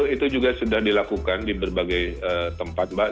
itu juga sudah dilakukan di berbagai tempat mbak